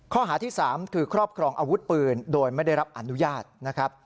ข้อหาที่๓คือครอบครองอาวุธปืนโดยไม่ได้รับอนุญาตนะครับ